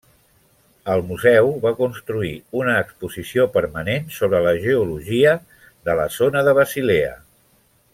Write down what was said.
Al museu va construir una exposició permanent sobre la geologia de la zona de Basilea.